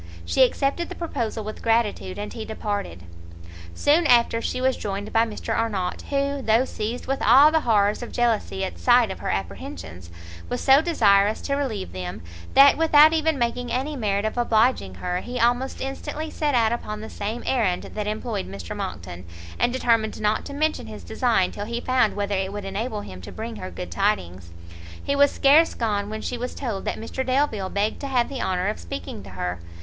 She accepted the proposal with gratitude, and he departed. Soon after she was joined by Mr Arnott, who, though seized with all the horrors of jealousy at sight of her apprehensions, was so desirous to relieve them, that without even making any merit of obliging her, he almost instantly set out upon the same errand that employed Mr Monckton, and determined not to mention his design till he found whether it would enable him to bring her good tidings. He was scarce gone when she was told that Mr Delvile begged to have the honour of speaking to her.